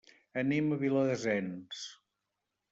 Anem a Viladasens.